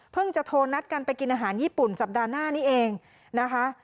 จะโทรนัดกันไปกินอาหารญี่ปุ่นสัปดาห์หน้านี้เองนะคะ